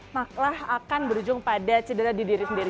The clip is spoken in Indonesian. maklah akan berujung pada cedera di diri sendiri